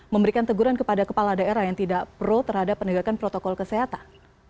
memberikan teguran kepada kepala daerah yang tidak pro terhadap penegakan protokol kesehatan